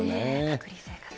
隔離生活。